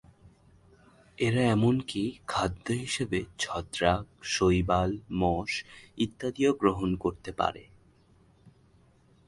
এরা এমনকি খাদ্য হিসেবে ছত্রাক, শৈবাল, মস ইত্যাদিও গ্রহণ করতে পারে।